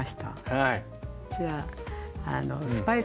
はい。